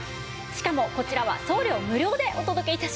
しかもこちらは送料無料でお届け致します。